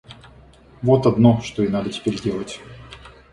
Вот одно, что ей надо теперь делать.